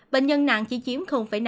bệnh nhân nặng chỉ chiếm năm